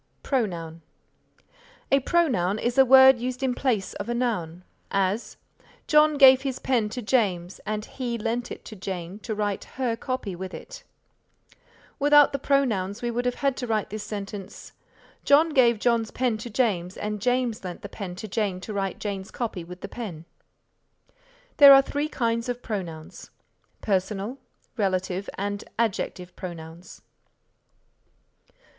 PRONOUN A pronoun is a word used in place of a noun; as, "John gave his pen to James and he lent it to Jane to write her copy with it." Without the pronouns we would have to write this sentence, "John gave John's pen to James and James lent the pen to Jane to write Jane's copy with the pen." There are three kinds of pronouns Personal, Relative and Adjective Pronouns.